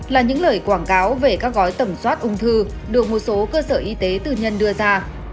là những lời quảng cáo về các gói tẩm soát ung thư được một số cơ sở y tế tư nhân đưa ra